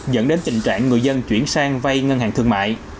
dẫn đến tình trạng người dân chuyển sang vay ngân hàng thương mại